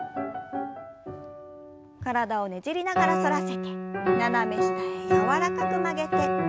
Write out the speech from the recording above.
体をねじりながら反らせて斜め下へ柔らかく曲げて。